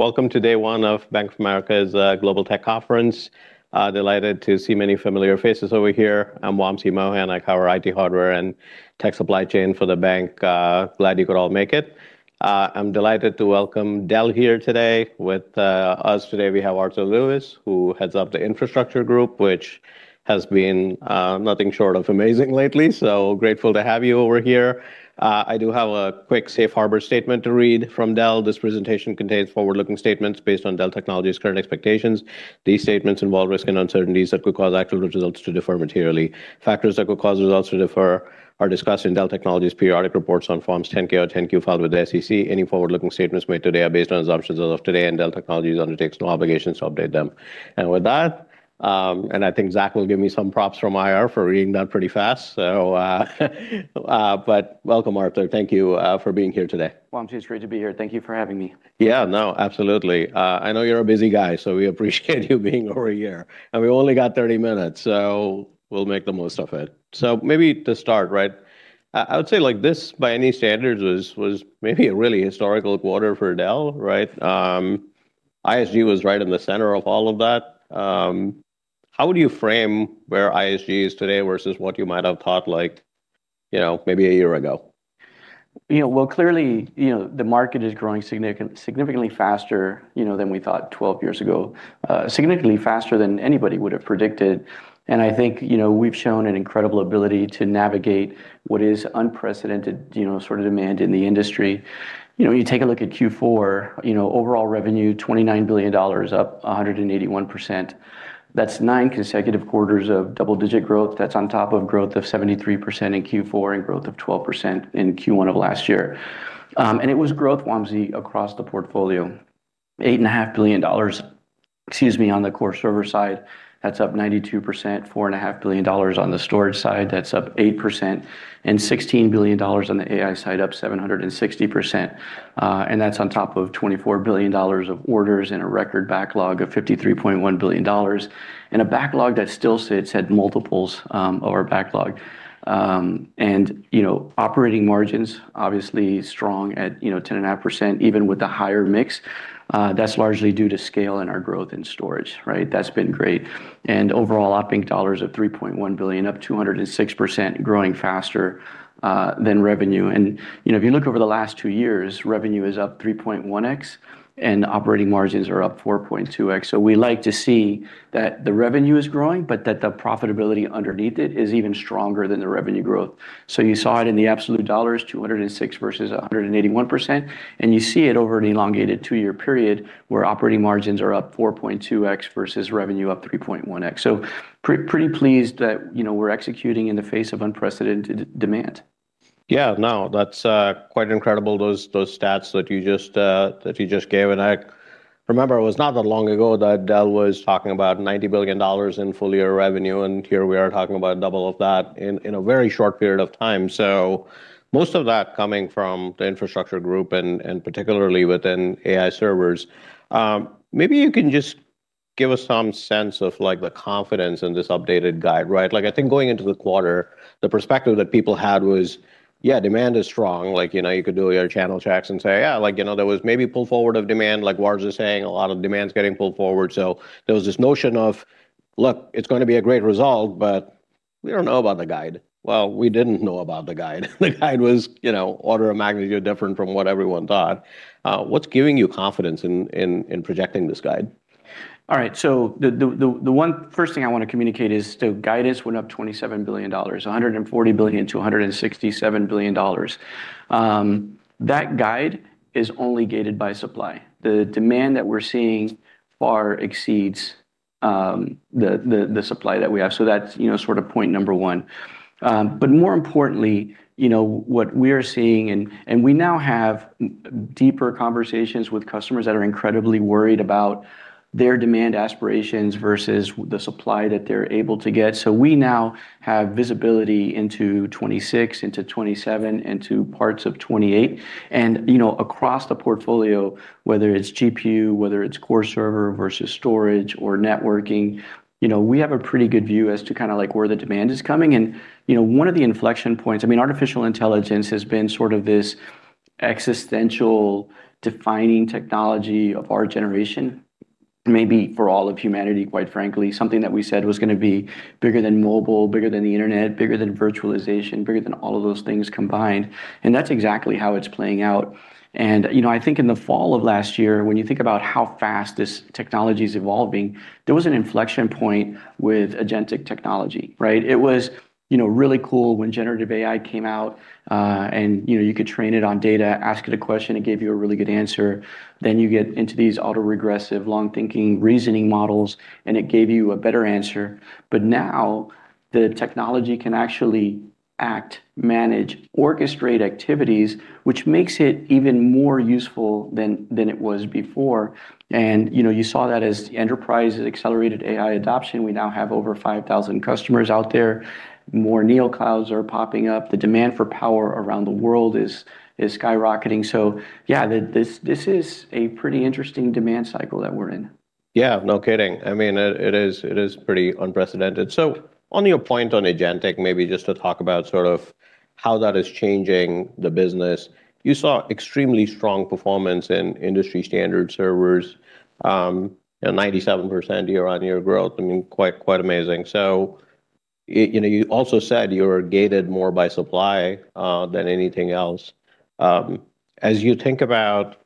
Welcome to day one of Bank of America's Global Tech Conference. Delighted to see many familiar faces over here. I'm Wamsi Mohan. I cover IT hardware and tech supply chain for the bank. Glad you could all make it. I'm delighted to welcome Dell here today. With us today, we have Arthur Lewis, who heads up the Infrastructure Solutions Group, which has been nothing short of amazing lately. Grateful to have you over here. I do have a quick safe harbor statement to read from Dell. This presentation contains forward-looking statements based on Dell Technologies' current expectations. These statements involve risks and uncertainties that could cause actual results to differ materially. Factors that could cause results to differ are discussed in Dell Technologies' periodic reports on Forms 10-K or 10-Q filed with the SEC. Any forward-looking statements made today are based on assumptions as of today, Dell Technologies undertakes no obligations to update them. With that, I think Zach will give me some props from IR for reading that pretty fast. Welcome, Arthur. Thank you for being here today. Wamsi, it's great to be here. Thank you for having me. Yeah, no, absolutely. I know you're a busy guy, so we appreciate you being over here. We only got 30 minutes, so we'll make the most of it. Maybe to start, I would say this, by any standards, was maybe a really historical quarter for Dell, right? ISG was right in the center of all of that. How would you frame where ISG is today versus what you might have thought maybe a year ago? Well, clearly, the market is growing significantly faster than we thought 12 years ago, significantly faster than anybody would have predicted. I think we've shown an incredible ability to navigate what is unprecedented demand in the industry. You take a look at Q4, overall revenue, $29 billion, up 181%. That's nine consecutive quarters of double-digit growth. That's on top of growth of 73% in Q4 and growth of 12% in Q1 of last year. It was growth, Wamsi, across the portfolio. $8.5 billion, excuse me, on the core server side. That's up 92%. $4.5 billion on the storage side, that's up 8%, and $16 billion on the AI side, up 760%. That's on top of $24 billion of orders and a record backlog of $53.1 billion, and a backlog that still sits at multiples of our backlog. Operating margins, obviously strong at 10.5%, even with the higher mix. That's largely due to scale in our growth in storage. That's been great. Overall, operating dollars of $3.1 billion, up 206%, growing faster than revenue. If you look over the last two years, revenue is up 3.1x and operating margins are up 4.2x. We like to see that the revenue is growing, but that the profitability underneath it is even stronger than the revenue growth. You saw it in the absolute dollars, 206% versus 181%, and you see it over an elongated two-year period where operating margins are up 4.2x versus revenue up 3.1x. Pretty pleased that we're executing in the face of unprecedented demand. Yeah. No, that's quite incredible, those stats that you just gave. I remember it was not that long ago that Dell was talking about $90 billion in full-year revenue, and here we are talking about double of that in a very short period of time. Most of that coming from the Infrastructure Solutions Group and particularly within AI servers. Maybe you can just give us some sense of the confidence in this updated guide. I think going into the quarter, the perspective that people had was, yeah, demand is strong. You could do your channel checks and say, yeah, there was maybe pull forward of demand, like Lewis is saying, a lot of demand's getting pulled forward. There was this notion of, look, it's going to be a great result, but we don't know about the guide. Well, we didn't know about the guide. The guide was order of magnitude different from what everyone thought. What's giving you confidence in projecting this guide? All right. The one first thing I want to communicate is the guidance went up $27 billion, $140 billion to $167 billion. That guide is only gated by supply. The demand that we're seeing far exceeds the supply that we have. That's point number one. More importantly, what we're seeing, and we now have deeper conversations with customers that are incredibly worried about their demand aspirations versus the supply that they're able to get. We now have visibility into 2026, into 2027, into parts of 2028. Across the portfolio, whether it's GPU, whether it's core server versus storage or networking, we have a pretty good view as to where the demand is coming. Artificial intelligence has been sort of this existential defining technology of our generation, maybe for all of humanity, quite frankly, something that we said was going to be bigger than mobile, bigger than the internet, bigger than virtualization, bigger than all of those things combined. That's exactly how it's playing out. I think in the fall of last year, when you think about how fast this technology's evolving, there was an inflection point with agentic technology. It was really cool when generative AI came out, and you could train it on data, ask it a question, it gave you a really good answer. You get into these auto-regressive, long-thinking reasoning models, and it gave you a better answer. Now the technology can actually act, manage, orchestrate activities, which makes it even more useful than it was before. You saw that as the enterprise accelerated AI adoption. We now have over 5,000 customers out there. More Neoclouds are popping up. The demand for power around the world is skyrocketing. Yeah, this is a pretty interesting demand cycle that we're in. Yeah, no kidding. It is pretty unprecedented. On your point on agentic, maybe just to talk about how that is changing the business. You saw extremely strong performance in industry standard servers, and 97% year-on-year growth. Quite amazing. You also said you're gated more by supply than anything else. As you think about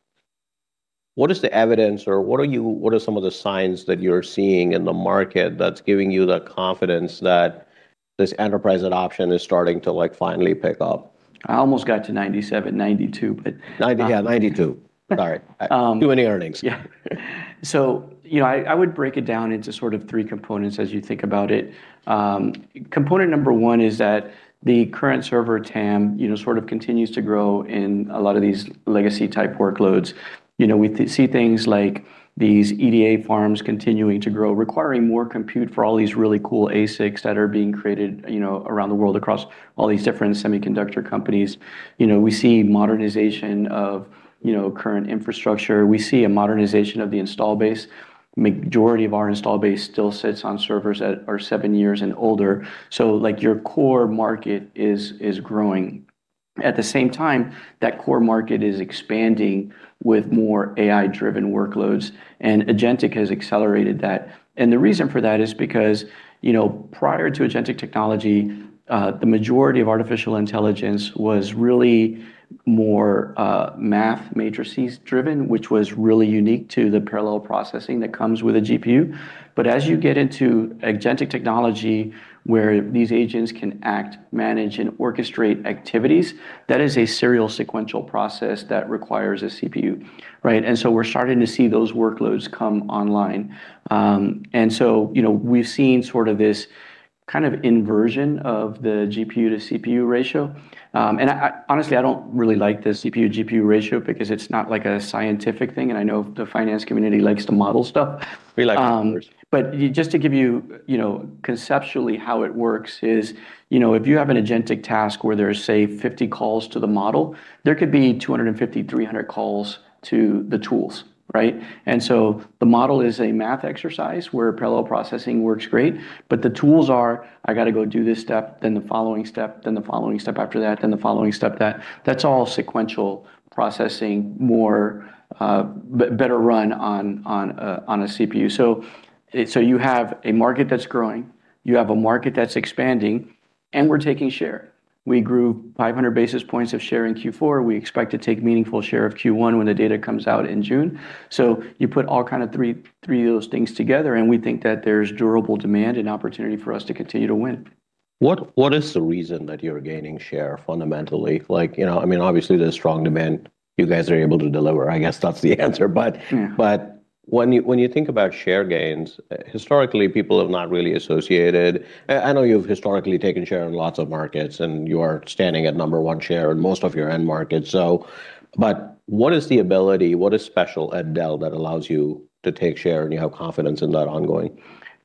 what is the evidence or what are some of the signs that you're seeing in the market that's giving you the confidence that this enterprise adoption is starting to finally pick up? I almost got to 97%, 92%. 90%, yeah, 92%. Sorry. Too many earnings. I would break it down into three components as you think about it. Component number one is that the current server TAM, sort of continues to grow in a lot of these legacy type workloads. We see things like these EDA farms continuing to grow, requiring more compute for all these really cool ASICs that are being created, around the world, across all these different semiconductor companies. We see modernization of current infrastructure. We see a modernization of the install base. Majority of our install base still sits on servers that are seven years and older. Your core market is growing. At the same time, that core market is expanding with more AI-driven workloads, agentic has accelerated that. The reason for that is because, prior to agentic technology, the majority of artificial intelligence was really more math matrices-driven, which was really unique to the parallel processing that comes with a GPU. As you get into agentic technology, where these agents can act, manage, and orchestrate activities, that is a serial sequential process that requires a CPU. Right? We're starting to see those workloads come online. We've seen this kind of inversion of the GPU to CPU ratio. Honestly, I don't really like the CPU, GPU ratio because it's not a scientific thing, and I know the finance community likes to model stuff. We like numbers. Just to give you, conceptually how it works is, if you have an agentic task where there's, say, 50 calls to the model, there could be 250, 300 calls to the tools, right? The model is a math exercise where parallel processing works great, but the tools are, I got to go do this step, then the following step, then the following step after that, then the following step that. That's all sequential processing, better run on a CPU. You have a market that's growing, you have a market that's expanding, and we're taking share. We grew 500 basis points of share in Q4. We expect to take meaningful share of Q1 when the data comes out in June. You put all three of those things together, and we think that there's durable demand and opportunity for us to continue to win. What is the reason that you're gaining share fundamentally? Obviously, there's strong demand you guys are able to deliver. I guess that's the answer. Yeah When you think about share gains, historically, people have not really associated. I know you've historically taken share in lots of markets, and you are standing at number one share in most of your end markets. What is the ability, what is special at Dell that allows you to take share and you have confidence in that ongoing?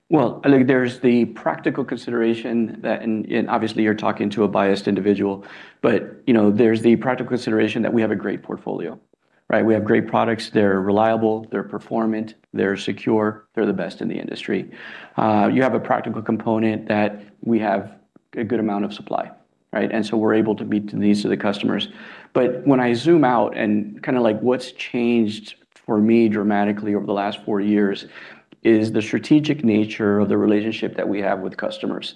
Well, look, there's the practical consideration that, and obviously you're talking to a biased individual, but there's the practical consideration that we have a great portfolio, right? We have great products. They're reliable, they're performant, they're secure, they're the best in the industry. You have a practical component that we have a good amount of supply, right? We're able to meet the needs of the customers. When I zoom out and what's changed for me dramatically over the last four years is the strategic nature of the relationship that we have with customers.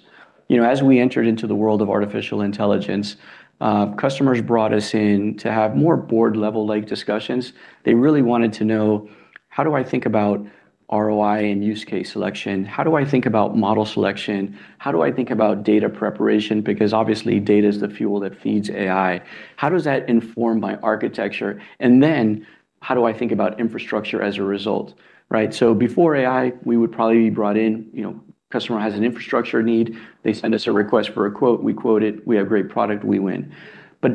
As we entered into the world of artificial intelligence, customers brought us in to have more board-level-like discussions. They really wanted to know, how do I think about ROI and use case selection? How do I think about model selection? How do I think about data preparation? Obviously data is the fuel that feeds AI. How does that inform my architecture? How do I think about infrastructure as a result, right? Before AI, we would probably be brought in, customer has an infrastructure need. They send us a request for a quote, we quote it, we have great product, we win.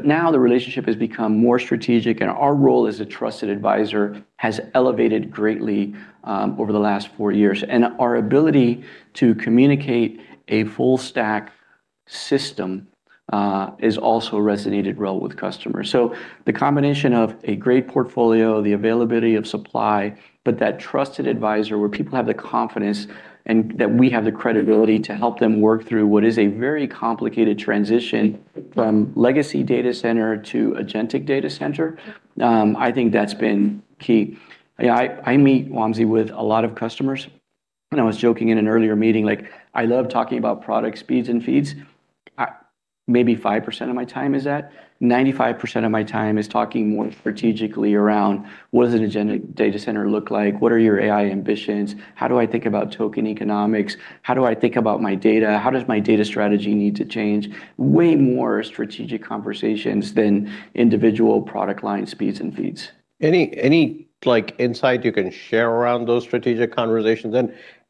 Now the relationship has become more strategic, and our role as a trusted advisor has elevated greatly over the last four years. Our ability to communicate a full stack system has also resonated well with customers. The combination of a great portfolio, the availability of supply, but that trusted advisor where people have the confidence, and that we have the credibility to help them work through what is a very complicated transition from legacy data center to agentic data center. I think that's been key. I meet, Wamsi, with a lot of customers, and I was joking in an earlier meeting, like I love talking about product speeds and feeds. Maybe 5% of my time is that. 95% of my time is talking more strategically around what does an agentic data center look like? What are your AI ambitions? How do I think about token economics? How do I think about my data? How does my data strategy need to change? Way more strategic conversations than individual product line speeds and feeds. Any insight you can share around those strategic conversations?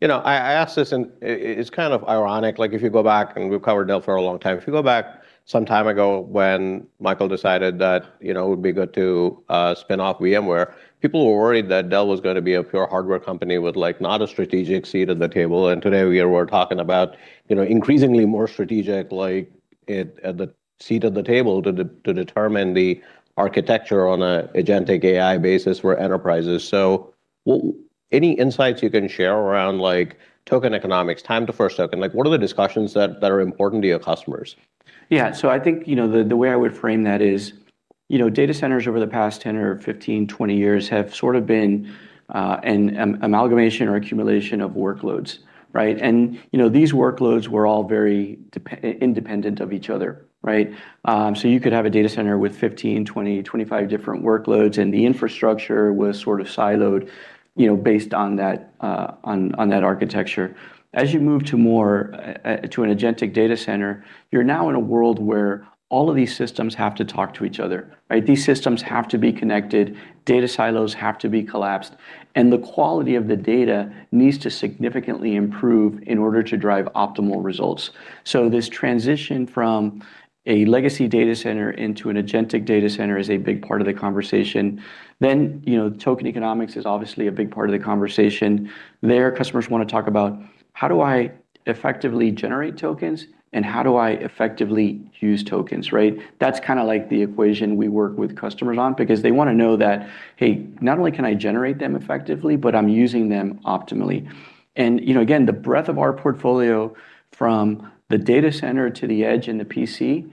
I ask this and it's kind of ironic, if you go back and we've covered Dell for a long time, if you go back some time ago when Michael decided that it would be good to spin off VMware, people were worried that Dell was going to be a pure hardware company with not a strategic seat at the table. Today we are talking about increasingly more strategic at the seat of the table to determine the architecture on a agentic AI basis for enterprises. Any insights you can share around token economics, time to first token? What are the discussions that are important to your customers? I think, the way I would frame that is, data centers over the past 10 or 15, 20 years have sort of been an amalgamation or accumulation of workloads, right? These workloads were all very independent of each other. You could have a data center with 15, 20, 25 different workloads, and the infrastructure was sort of siloed based on that architecture. As you move to an agentic data center, you're now in a world where all of these systems have to talk to each other, right? These systems have to be connected, data silos have to be collapsed, and the quality of the data needs to significantly improve in order to drive optimal results. This transition from a legacy data center into an agentic data center is a big part of the conversation. Token economics is obviously a big part of the conversation. There, customers want to talk about, how do I effectively generate tokens, and how do I effectively use tokens, right? That's kind of like the equation we work with customers on because they want to know that, hey, not only can I generate them effectively, but I'm using them optimally. Again, the breadth of our portfolio from the data center to the edge and the PC,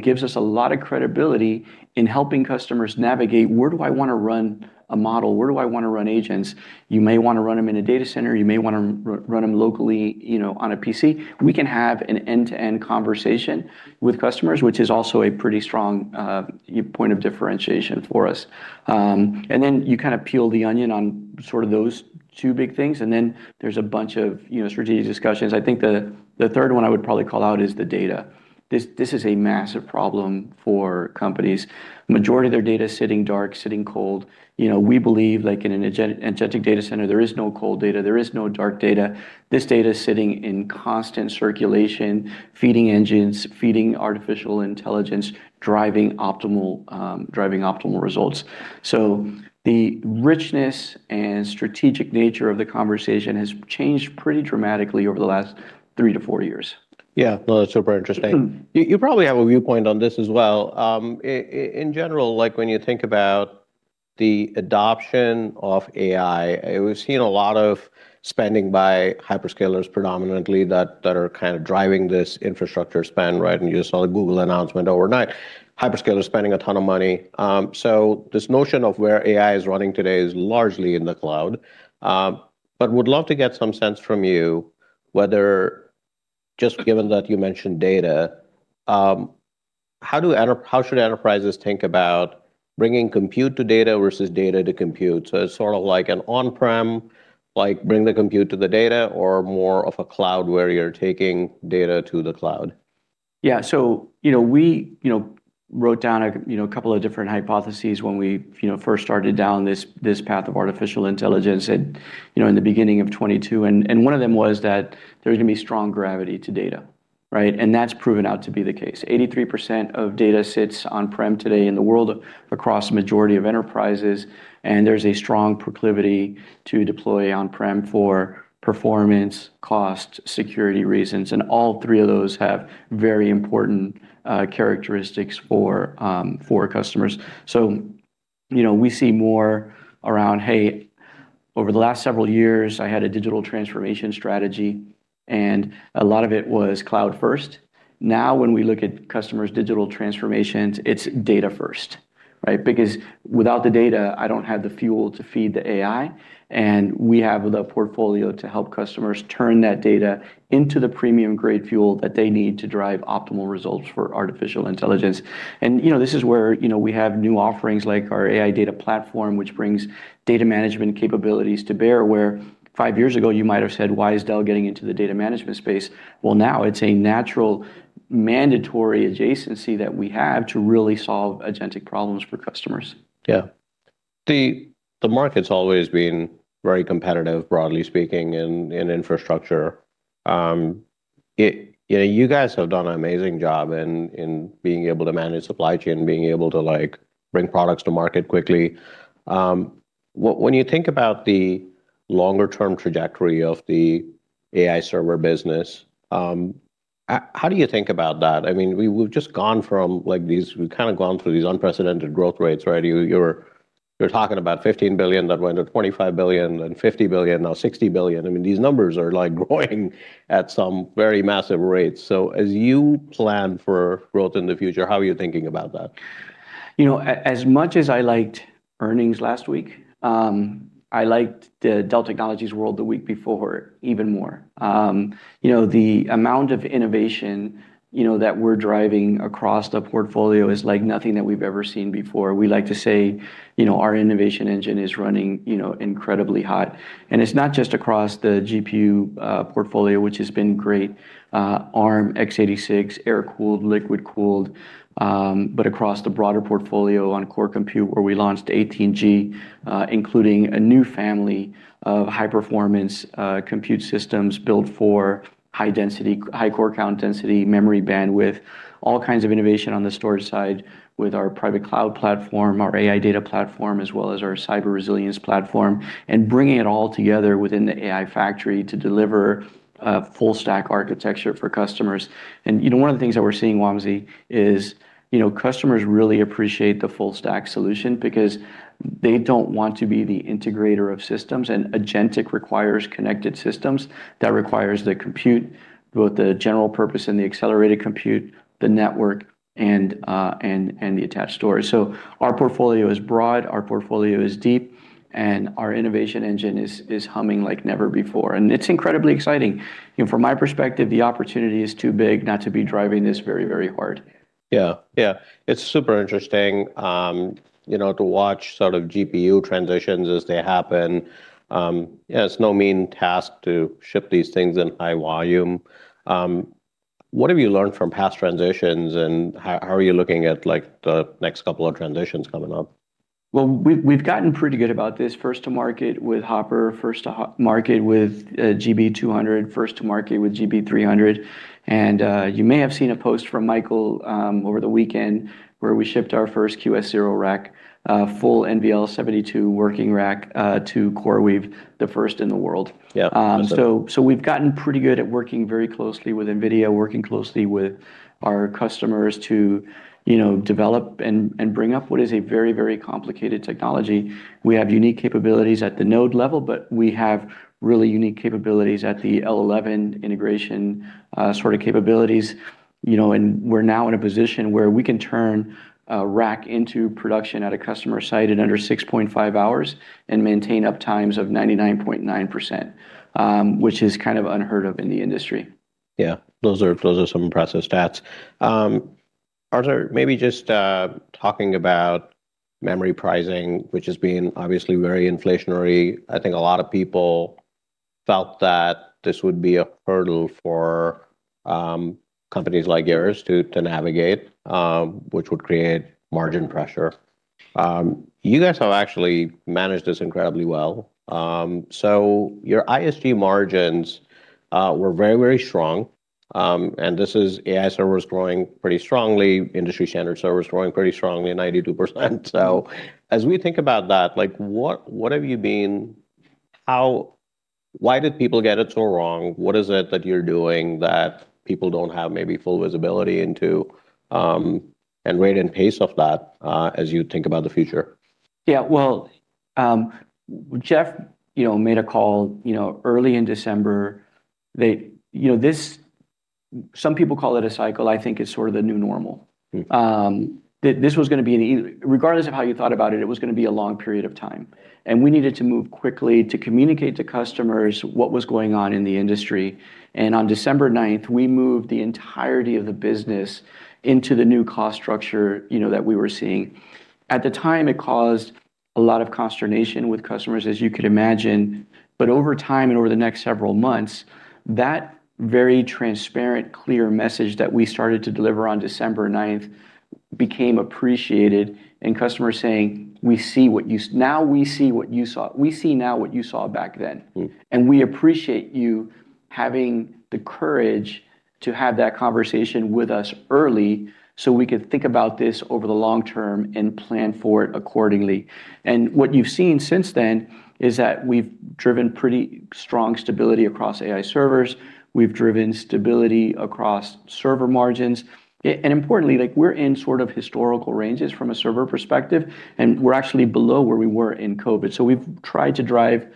gives us a lot of credibility in helping customers navigate where do I want to run a model, where do I want to run agents? You may want to run them in a data center, you may want to run them locally on a PC. We can have an end-to-end conversation with customers, which is also a pretty strong point of differentiation for us. You kind of peel the onion on sort of those two big things, and then there's a bunch of strategic discussions. I think the third one I would probably call out is the data. This is a massive problem for companies. Majority of their data is sitting dark, sitting cold. We believe like in an agentic data center, there is no cold data, there is no dark data. This data is sitting in constant circulation, feeding engines, feeding artificial intelligence, driving optimal results. The richness and strategic nature of the conversation has changed pretty dramatically over the last three to four years. Yeah. No, that's super interesting. You probably have a viewpoint on this as well. In general, when you think about the adoption of AI, we've seen a lot of spending by hyperscalers predominantly that are kind of driving this infrastructure spend, right? You just saw the Google announcement overnight. Hyperscalers spending a ton of money. This notion of where AI is running today is largely in the cloud. Would love to get some sense from you whether, just given that you mentioned data, how should enterprises think about bringing compute to data versus data to compute? It's sort of like an on-prem, bring the compute to the data or more of a cloud where you're taking data to the cloud. Yeah. We wrote down a couple of different hypotheses when we first started down this path of artificial intelligence in the beginning of 2022 and one of them was that there's going to be strong gravity to data, right? That's proven out to be the case. 83% of data sits on-prem today in the world across majority of enterprises, and there's a strong proclivity to deploy on-prem for performance, cost, security reasons, and all three of those have very important characteristics for customers. We see more around, hey, over the last several years, I had a digital transformation strategy and a lot of it was cloud first. Now when we look at customers' digital transformations, it's data first, right? Without the data, I don't have the fuel to feed the AI, and we have the portfolio to help customers turn that data into the premium-grade fuel that they need to drive optimal results for artificial intelligence. This is where we have new offerings like our Dell AI Data Platform, which brings data management capabilities to bear, where five years ago you might have said, "Why is Dell getting into the data management space?" Well, now it's a natural mandatory adjacency that we have to really solve agentic problems for customers. Yeah. The market's always been very competitive, broadly speaking, in infrastructure. You guys have done an amazing job in being able to manage supply chain, being able to bring products to market quickly. When you think about the longer-term trajectory of the AI server business, how do you think about that? We've kind of gone through these unprecedented growth rates, right? You're talking about $15 billion that went to $25 billion, then $50 billion, now $60 billion. These numbers are growing at some very massive rates. As you plan for growth in the future, how are you thinking about that? As much as I liked earnings last week, I liked the Dell Technologies World the week before even more. The amount of innovation that we're driving across the portfolio is like nothing that we've ever seen before. We like to say our innovation engine is running incredibly hot. It's not just across the GPU portfolio, which has been great, ARM, X86, air-cooled, liquid-cooled, but across the broader portfolio on core compute where we launched 17G, including a new family of high-performance compute systems built for high core count density, memory bandwidth. All kinds of innovation on the storage side with our Private Cloud Platform, our AI Data Platform, as well as our Cyber Resilience Platform, and bringing it all together within the AI Factory to deliver a full stack architecture for customers. One of the things that we're seeing, Wamsi, is customers really appreciate the full stack solution because they don't want to be the integrator of systems, and agentic requires connected systems. That requires the compute, both the general purpose and the accelerated compute, the network, and the attached storage. Our portfolio is broad, our portfolio is deep, and our innovation engine is humming like never before. It's incredibly exciting. From my perspective, the opportunity is too big not to be driving this very, very hard. Yeah. It's super interesting to watch GPU transitions as they happen. Yeah, it's no mean task to ship these things in high volume. What have you learned from past transitions, and how are you looking at the next couple of transitions coming up? Well, we've gotten pretty good about this first to market with Hopper, first to market with GB200, first to market with GB300. You may have seen a post from Michael over the weekend where we shipped our first QS0 rack, full NVL72 working rack, to CoreWeave, the first in the world. Yeah. We've gotten pretty good at working very closely with NVIDIA, working closely with our customers to develop and bring up what is a very complicated technology. We have unique capabilities at the node level, but we have really unique capabilities at the L11 integration capabilities. We're now in a position where we can turn a rack into production at a customer site in under 6.5 hours and maintain up times of 99.9%, which is unheard of in the industry. Yeah. Those are some impressive stats. Arthur, maybe just talking about memory pricing, which is being obviously very inflationary. I think a lot of people felt that this would be a hurdle for companies like yours to navigate, which would create margin pressure. You guys have actually managed this incredibly well. Your ISG margins were very strong, and this is AI servers growing pretty strongly, industry standard servers growing pretty strongly at 92%. As we think about that, why did people get it so wrong? What is it that you're doing that people don't have maybe full visibility into, and rate and pace of that, as you think about the future? Yeah. Well, Jeff made a call early in December. Some people call it a cycle, I think it's sort of the new normal. Regardless of how you thought about it was going to be a long period of time, and we needed to move quickly to communicate to customers what was going on in the industry. On December 9th, we moved the entirety of the business into the new cost structure that we were seeing. At the time, it caused a lot of consternation with customers, as you could imagine. Over time and over the next several months, that very transparent, clear message that we started to deliver on December 9th became appreciated, and customers saying, "We see now what you saw back then. We appreciate you having the courage to have that conversation with us early so we could think about this over the long term and plan for it accordingly." What you've seen since then is that we've driven pretty strong stability across AI servers. We've driven stability across server margins. Importantly, we're in historical ranges from a server perspective, and we're actually below where we were in COVID. We've tried to drive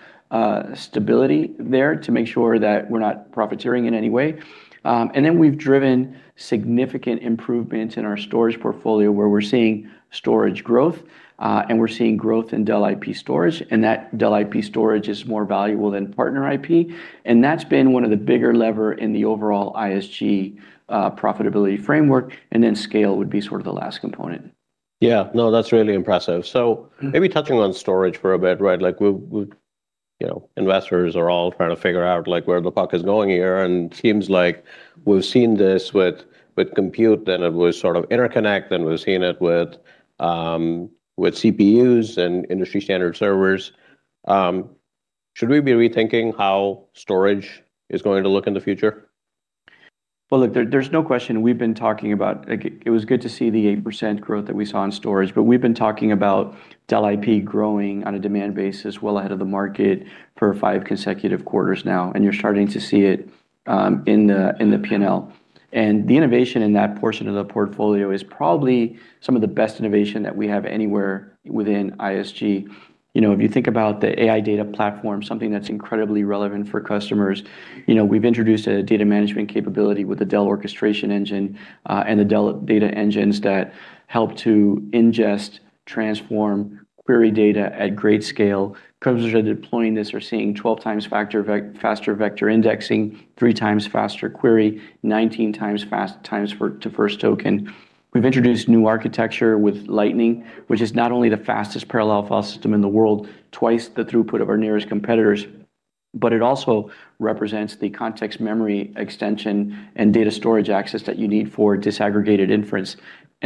stability there to make sure that we're not profiteering in any way. We've driven significant improvements in our storage portfolio, where we're seeing storage growth, and we're seeing growth in Dell IP storage, and that Dell IP storage is more valuable than partner IP, and that's been one of the bigger lever in the overall ISG profitability framework, scale would be the last component. Yeah. No, that's really impressive. Maybe touching on storage for a bit, investors are all trying to figure out where the puck is going here, and it seems like we've seen this with compute, then it was sort of interconnect, then we've seen it with CPUs and industry standard servers. Should we be rethinking how storage is going to look in the future? Well, look, there's no question. It was good to see the 8% growth that we saw in storage. We've been talking about Dell IP growing on a demand basis well ahead of the market for five consecutive quarters now, and you're starting to see it in the P&L. The innovation in that portion of the portfolio is probably some of the best innovation that we have anywhere within ISG. If you think about the AI data platform, something that's incredibly relevant for customers. We've introduced a data management capability with the Dell Orchestration Engine, and the Dell Data Engines that help to ingest, transform, query data at great scale. Customers that are deploying this are seeing 12x faster vector indexing, 3x faster query, 19x fast times to first token. We've introduced new architecture with Lightning, which is not only the fastest parallel file system in the world, twice the throughput of our nearest competitors. It also represents the context memory extension and data storage access that you need for disaggregated inference.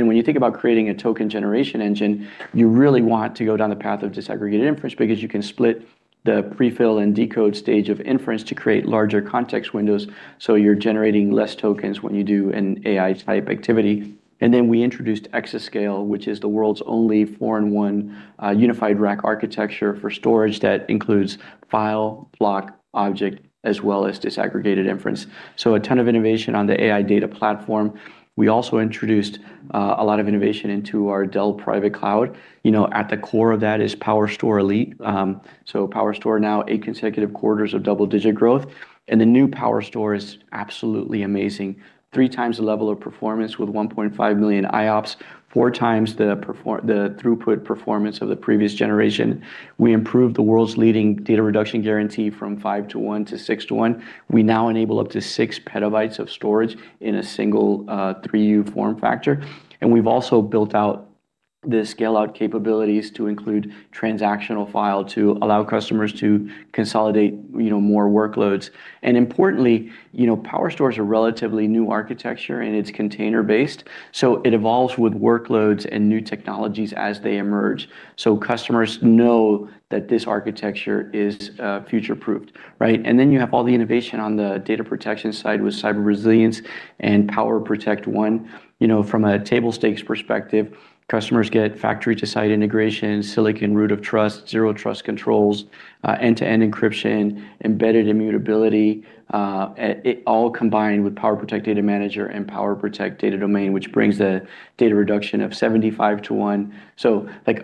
When you think about creating a token generation engine, you really want to go down the path of disaggregated inference because you can split the prefill and decode stage of inference to create larger context windows, so you're generating less tokens when you do an AI-type activity. We introduced Exascale, which is the world's only four-in-one unified rack architecture for storage that includes file, block, object, as well as disaggregated inference. A ton of innovation on the Dell AI Data Platform. We also introduced a lot of innovation into our Dell Private Cloud. At the core of that is PowerStore Elite. PowerStore now eight consecutive quarters of double-digit growth, and the new PowerStore is absolutely amazing. 3x the level of performance with 1.5 million IOPS, 4x the throughput performance of the previous generation. We improved the world's leading data reduction guarantee from 5:1 to 6:1. We now enable up to 6 petabytes of storage in a single 3U form factor. We've also built out the scale-out capabilities to include transactional file to allow customers to consolidate more workloads. Importantly, PowerStore is a relatively new architecture, and it's container-based, so it evolves with workloads and new technologies as they emerge. Customers know that this architecture is future-proofed. Right. Then you have all the innovation on the data protection side with cyber resilience and PowerProtect One. From a table stakes perspective, customers get factory-to-site integration, silicon root of trust, zero trust controls, end-to-end encryption, embedded immutability, all combined with PowerProtect Data Manager and PowerProtect Data Domain, which brings the data reduction of 75:1.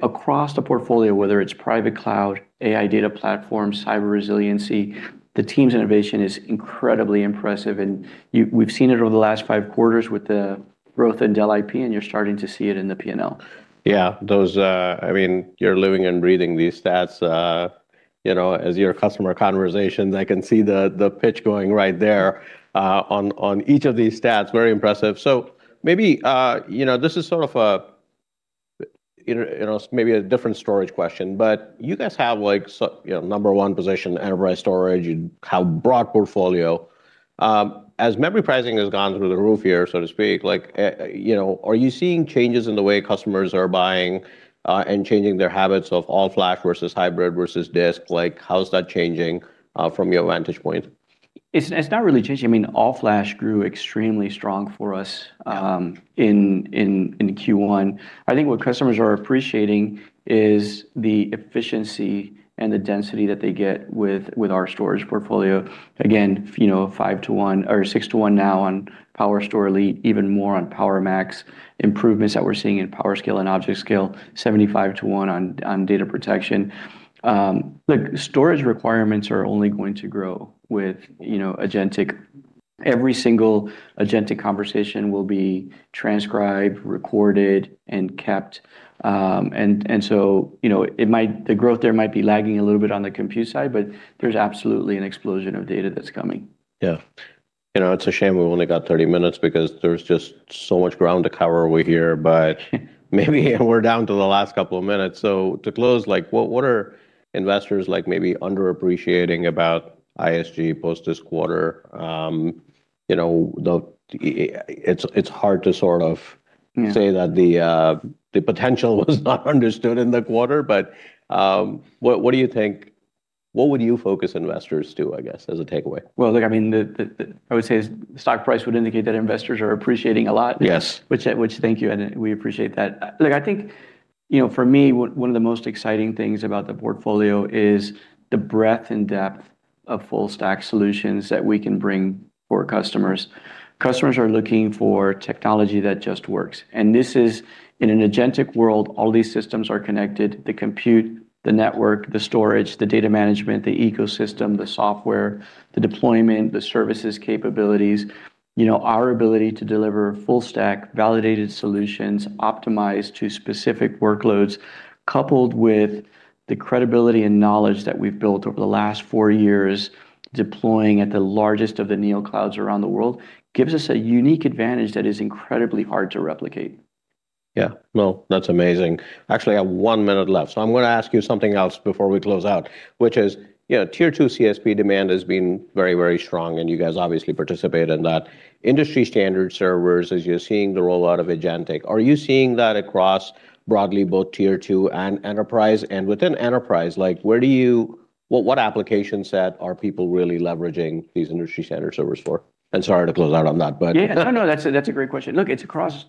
Across the portfolio, whether it's private cloud, AI data platform, cyber resiliency, the team's innovation is incredibly impressive, and we've seen it over the last five quarters with the growth in Dell IP, and you're starting to see it in the P&L. Yeah. You're living and breathing these stats. As your customer conversations, I can see the pitch going right there on each of these stats, very impressive. Maybe a different storage question, but you guys have number one position enterprise storage. You have broad portfolio. As memory pricing has gone through the roof here, so to speak, are you seeing changes in the way customers are buying and changing their habits of all-flash versus hybrid versus disk? How's that changing from your vantage point? It's not really changing. All-flash grew extremely strong for us. Yeah in Q1. I think what customers are appreciating is the efficiency and the density that they get with our storage portfolio. Again, 5:1 or now 6:1 now on PowerStore Elite, even more on PowerMax, improvements that we're seeing in PowerScale and ObjectScale, 75:1 on data protection. Storage requirements are only going to grow with agentic. Every single agentic conversation will be transcribed, recorded, and kept. So the growth there might be lagging a little bit on the compute side, but there's absolutely an explosion of data that's coming. Yeah. It's a shame we've only got 30 minutes because there's just so much ground to cover over here. Maybe we're down to the last couple of minutes. To close, what are investors maybe under-appreciating about ISG post this quarter? It's hard to sort of say that the potential was not understood in the quarter, what would you focus investors to, I guess, as a takeaway? Well, I would say the stock price would indicate that investors are appreciating a lot. Yes. Which thank you, and we appreciate that. I think, for me, one of the most exciting things about the portfolio is the breadth and depth of full stack solutions that we can bring for customers. Customers are looking for technology that just works, and this is, in an agentic world, all these systems are connected, the compute, the network, the storage, the data management, the ecosystem, the software, the deployment, the services capabilities. Our ability to deliver full stack validated solutions optimized to specific workloads, coupled with the credibility and knowledge that we've built over the last four years, deploying at the largest of the Neoclouds around the world, gives us a unique advantage that is incredibly hard to replicate. Yeah. Well, that's amazing. Actually, I have one minute left. I'm going to ask you something else before we close out, which is tier 2 CSP demand has been very, very strong, and you guys obviously participate in that. Industry standard servers, as you're seeing the rollout of agentic, are you seeing that across broadly both tier 2 and enterprise? Within enterprise, what application set are people really leveraging these industry standard servers for? Sorry to close out on that. Yeah. No, that's a great question. Look, it's across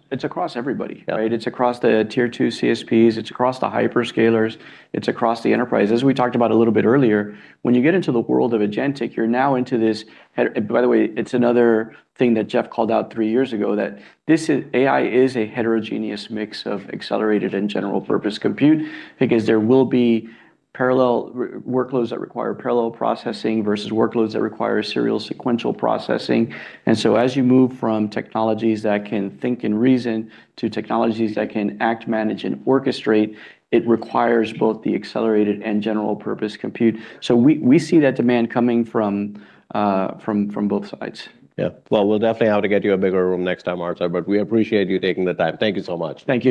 everybody, right? It's across the tier 2 CSPs. It's across the hyperscalers. It's across the enterprise. As we talked about a little bit earlier, when you get into the world of agentic, you're now By the way, it's another thing that Jeff called out three years ago, that AI is a heterogeneous mix of accelerated and general purpose compute because there will be workloads that require parallel processing versus workloads that require serial sequential processing. As you move from technologies that can think and reason to technologies that can act, manage, and orchestrate, it requires both the accelerated and general purpose compute. We see that demand coming from both sides. We'll definitely have to get you a bigger room next time, Arthur, but we appreciate you taking the time. Thank you so much. Thank you.